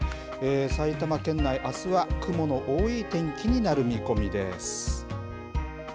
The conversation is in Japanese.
埼玉県内、あすは雲の多い天気になる見込みです。